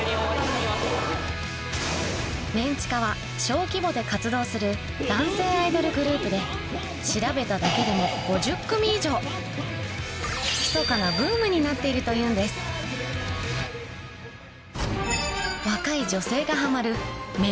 メンチカは小規模で活動する男性アイドルグループで調べただけでも密かなブームになっているというんですとは？